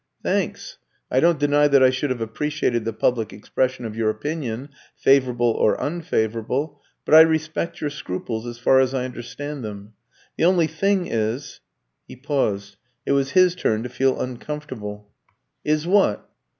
"Thanks. I don't deny that I should have appreciated the public expression of your opinion, favourable or unfavourable. But I respect your scruples as far as I understand them. The only thing is " He paused; it was his turn to feel uncomfortable. "Is what?"